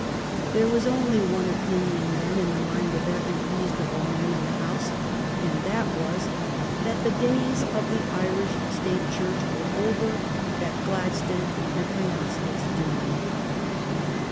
There was only one opinion then in the mind of 268 THE STORY OF GLADSTONE'S LIFE every reasonable man in the House, and that was that the days of the Irish State Church were over, that Gladstone had pronounced its doom.